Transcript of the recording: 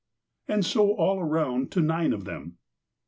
And so all around to nine of them.